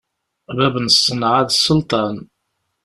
Bab n ṣṣenɛa d sselṭan.